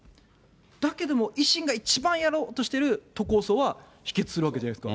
だけども、維新が一番やろうとしている都構想は否決するわけじゃないですか。